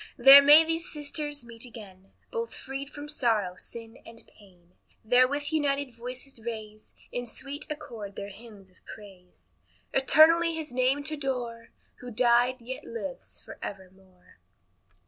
There may these sisters meet again, Both freed from sorrow, sin, and pain; There with united voices raise, In sweet accord their hymns of praise; Eternally his name t' adore, Who died, yet lives forevermore.